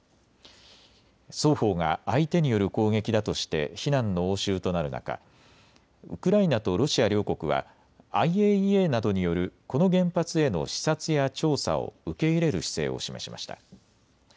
双方が相手による攻撃だとして非難の応酬となる中、ウクライナとロシア両国はＩＡＥＡなどによるこの原発への視察や調査を受け入れる姿勢を示しました。